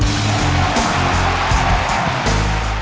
เพื่อคนไทย